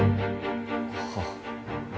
はあ。